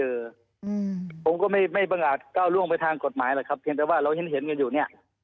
อืมผมก็ไม่ไม่บังอาจก้าวล่วงไปทางกฎหมายหรอกครับเพียงแต่ว่าเราเห็นเห็นกันอยู่เนี้ย